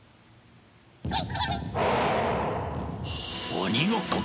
鬼ごっこか。